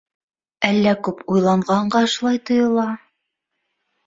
Әллә күп уйланғанға шулай тойола.